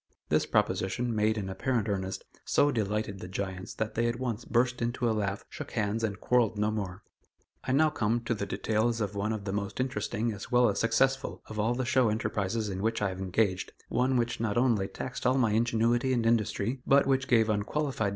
This proposition, made in apparent earnest, so delighted the giants that they at once burst into a laugh, shook hands, and quarrelled no more. I now come to the details of one of the most interesting, as well as successful, of all the show enterprises in which I have engaged one which not only taxed all my ingenuity and industry, but which gave unqualified [Illustration: _BATTLE OF THE GIANTS.